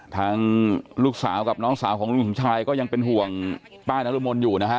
ทางลูกสาวกับน้องสาวของลุงสมชายก็ยังเป็นห่วงป้านรมนอยู่นะฮะ